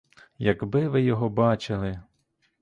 Якби ви його бачили!